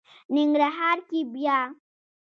ننګرهار کې بیا...